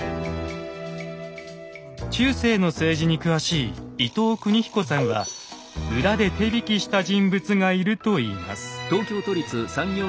中世の政治に詳しい伊藤邦彦さんは裏で手引きした人物がいると言います。